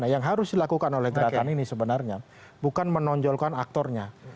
nah yang harus dilakukan oleh gerakan ini sebenarnya bukan menonjolkan aktornya